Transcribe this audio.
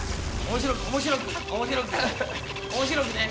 面白くね面白くね！